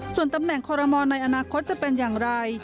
ส่วนตำแหน่งคอรมอลในอนาคตจะเป็นอย่างไร